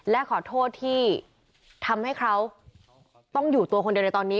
และขอโทษที่ทำให้เขาต้องอยู่ตัวคนเดียวในตอนนี้